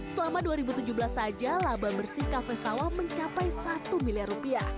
selama dua ribu tujuh belas saja laba bersih kafe sawah mencapai rp satu miliar rupiah